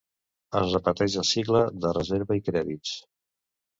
Es repeteix el cicle de reserva i Crèdits.